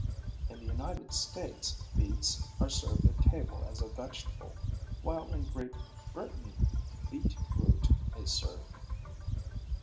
In the United States beets are served at table as a vegetable, while in Great Britain beet root is served.